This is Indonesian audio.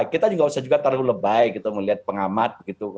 kita juga nggak usah terlalu lebay melihat pengamat